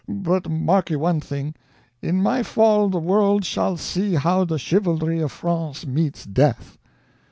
But mark you one thing: in my fall the world shall see how the chivalry of France meets death."